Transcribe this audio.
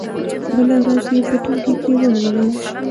بله ورځ يې په ټولګي کې ولولئ.